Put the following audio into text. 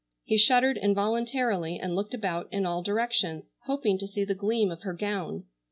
He shuddered involuntarily and looked about in all directions, hoping to see the gleam of her gown.